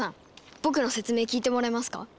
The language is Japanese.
僕の説明聞いてもらえますか？